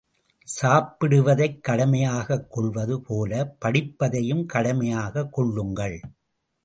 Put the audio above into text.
சாப்பிடுவதைக் கடமையாகக் கொள்வது போலப் படிப்பதையும் கடமையாகக் கொள்ளுங்கள்.